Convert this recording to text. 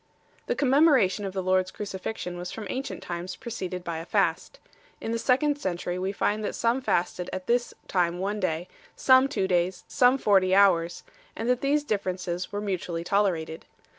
The commemoration of the Lord s Crucifixion was from ancient times preceded by a fast 3 . In the second century we find that some fasted at this time one day, some two days, some forty hours; and that these differences were mutually tolerated 4